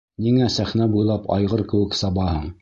Ниңә сәхнә буйлап айғыр кеүек сабаһың?